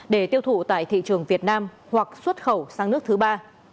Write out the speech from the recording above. để tiêu thụ tại thị trường việt nam hoặc xuất khẩu sang nước thứ ba